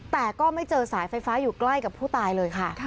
แต่ก็ไม่เจอสายไฟฟ้าอยู่ใกล้กับผู้ตายเลยค่ะ